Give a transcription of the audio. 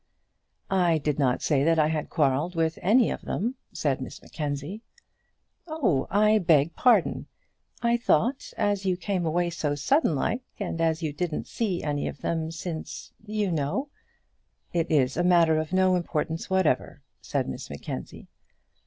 "I did not say that I had quarrelled with any of them," said Miss Mackenzie. "Oh! I beg pardon. I thought as you came away so sudden like, and as you didn't see any of them since, you know " "It is a matter of no importance whatever," said Miss Mackenzie.